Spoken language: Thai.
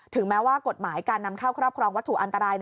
แม้ว่ากฎหมายการนำเข้าครอบครองวัตถุอันตราย